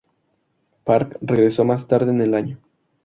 Park regresó más tarde en el año.